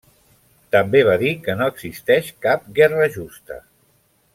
També va dir que no existeix cap guerra justa.